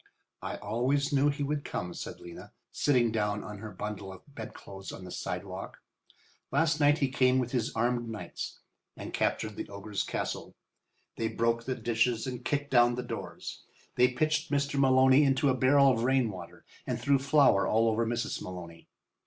"I always knew he would come," said Lena, sitting down on her bundle of bedclothes on the sidewalk. "Last night he came with his armed knights and captured the ogre's castle. They broke the dishes and kicked down the doors. They pitched Mr. Maloney into a barrel of rain water and threw flour all over Mrs. Maloney.